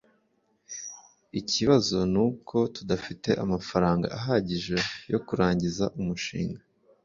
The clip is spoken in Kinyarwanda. ikibazo nuko tudafite amafaranga ahagije yo kurangiza umushinga